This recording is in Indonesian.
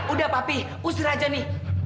udah papi usir aja nih